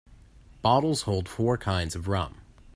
Bottles hold four kinds of rum.